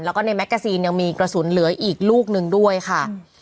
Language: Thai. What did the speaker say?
แล้วก็ในแกซีนยังมีกระสุนเหลืออีกลูกหนึ่งด้วยค่ะ